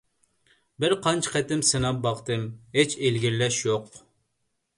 بىر قانچە قېتىم سىناپ باقتىم، ھېچ ئىلگىرىلەش يوق!